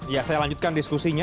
ya saya lanjutkan diskusinya